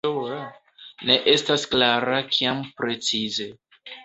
Ne estas klara kiam precize.